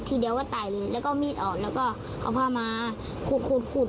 ทีเดียวก็ตายเลยแล้วก็มีดออกแล้วก็เอาผ้ามาขุดขุด